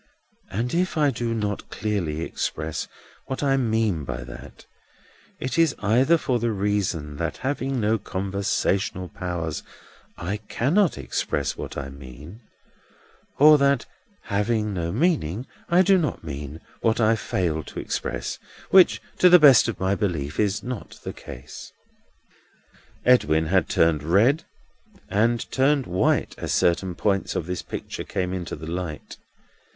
And if I do not clearly express what I mean by that, it is either for the reason that having no conversational powers, I cannot express what I mean, or that having no meaning, I do not mean what I fail to express. Which, to the best of my belief, is not the case." Edwin had turned red and turned white, as certain points of this picture came into the light.